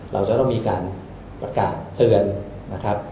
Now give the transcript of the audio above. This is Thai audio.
เราจะต้องมีการประกาศเตือนนะครับ